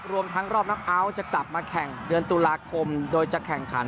รวมทั้งรอบนับเอาท์จะกลับมาแข่งเดือนตุลาคมโดยจะแข่งขัน